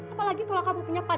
apalagi kalau kamu punya pacar ya